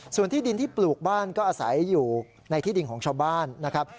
ส่วนที่ดินที่ปลูกบ้านก็อาศัยอยู่ในที่ดินของชาวบ้านนะครับ